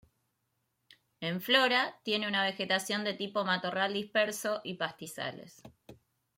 En flora tiene una vegetación de tipo matorral disperso y pastizales.